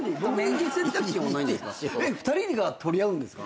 ２人が取り合うんですか？